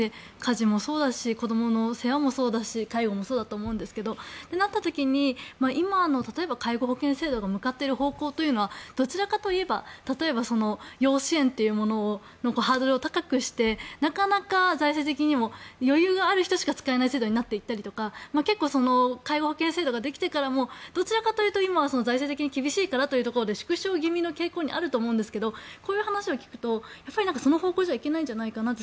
家事もそうだし子どもの世話も介護もそうだと思うんですけどそうなった時に今の例えば介護保険制度が向かっている方向というのはどちらかというと要支援というもののハードルを高くして財政的にも余裕がある人しか使えない制度になっていたり介護保険制度ができてからもどちらかというと今、財政的に厳しいところで縮小的な傾向にあると思うんですけどこういう話を聞くとそういう方向じゃいけないんじゃないかと。